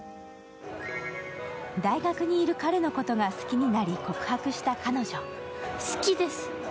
大学にいる彼のことが好きになり、告白した彼女。